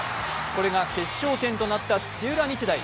これが決勝点となった土浦日大。